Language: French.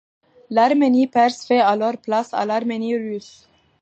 L'Arménie perse fait alors place à l'Arménie russe.